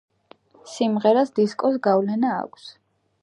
სიმღერას დისკოს გავლენა აქვს.